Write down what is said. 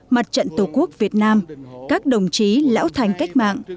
mặt trận tổ quốc việt nam các đồng chí lão thành cách mạng